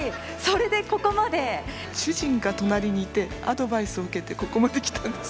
主人が隣にいてアドバイスを受けてここまで来たんです。